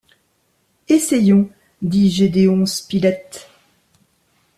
Essayons, dit Gédéon Spilett.